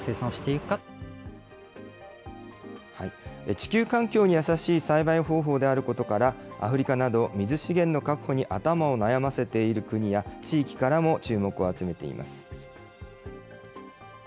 地球環境に優しい栽培方法であることから、アフリカなど、水資源の確保に頭を悩ませている国や、地域からも注目を集めています。